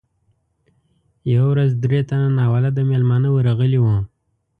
یوه ورځ درې تنه ناولده میلمانه ورغلي وو.